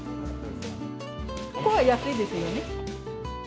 ここは安いですよね。